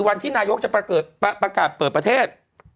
วันที่นายกจะประกาศเปิดประเทศ